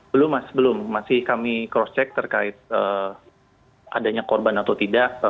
belum mas belum masih kami cross check terkait adanya korban atau tidak